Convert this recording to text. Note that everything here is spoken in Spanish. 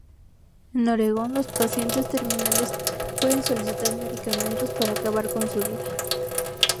En Oregón, los pacientes terminales pueden solicitar medicamentos para acabar con su vida.